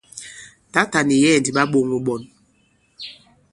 Tǎtà nì yɛ̌ɛ̀ ndi ɓa ɓōŋō ɓɔn.